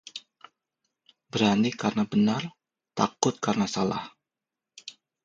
Berani karena benar, takut karena salah